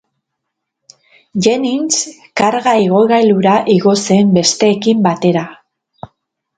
Jennings karga-igogailura igo zen besteekin batera.